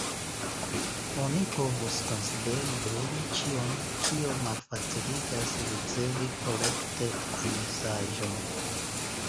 Oni povus konsideri bruo ĉion kio malfaciligas ricevi korekte la mesaĝon.